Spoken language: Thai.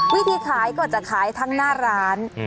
วิธีขายก็จะขายทั้งหน้าร้าน